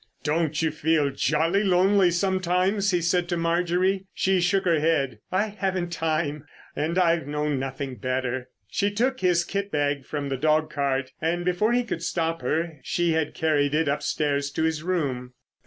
"Don't you feel jolly lonely sometimes?" he said to Marjorie. She shook her head. "I haven't time. And I've known nothing better." She took his kit bag from the dog cart, and before he could stop her she had carried it upstairs to his room.